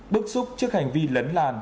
bước xúc trước hành vi lấn làn